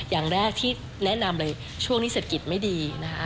อย่างแรกที่แนะนำเลยช่วงนี้เศรษฐกิจไม่ดีนะคะ